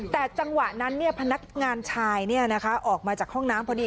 แต่จังหวะนั้นพนักงานชายออกมาจากห้องน้ำพอดี